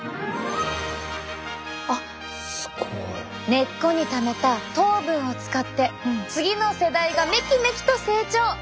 根っこにためた糖分を使って次の世代がめきめきと成長！